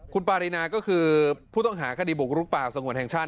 คุณปารีนาก็คือผู้ต้องหาคดีบุกรุกป่าสงวนแห่งชาติ